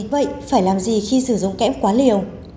vậy phải làm gì khi sử dụng kẽm quá liều